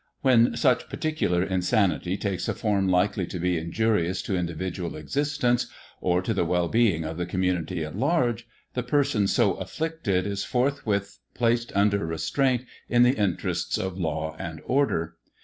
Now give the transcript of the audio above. When such particular insanity takes a form likely to be injurious to individual existence, or to the well being of the community at large, the person so afflicted is forthwith placed imder restraint in the interests of law and order.